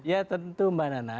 ya tentu mbak nana